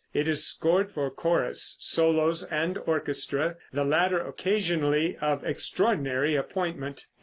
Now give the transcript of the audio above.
It is scored for chorus, solos and orchestra, the latter occasionally of extraordinary appointment.